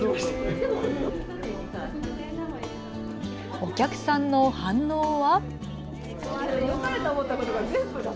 お客さんの反応は。